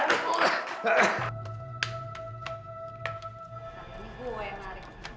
ini gue yang lari